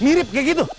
mirip kayak gitu